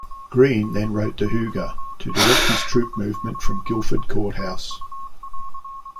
Greene then wrote to Huger to direct his troop movement from Guilford Courthouse.